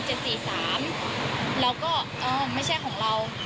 แล้วก็เอ้าไม่ใช่ของเรา